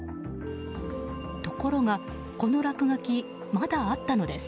ところが、この落書きまだあったのです。